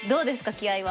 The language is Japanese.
気合いは。